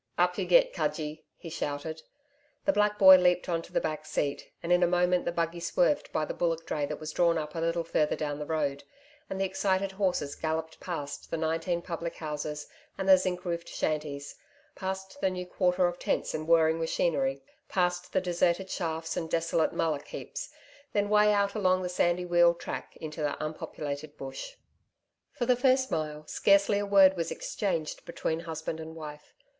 'Up you get, Cudgee,' he shouted. The black boy leaped to the back seat, and in a moment the buggy swerved by the bullock dray that was drawn up a little further down the road, and the excited horses galloped past the nineteen public houses and the zinc roofed shanties, past the new quarter of tents and whirring machinery, past the deserted shafts and desolate mullock heaps, then way out along the sandy wheel track into the unpopulated Bush. For the first mile scarcely a word was exchanged between husband and wife.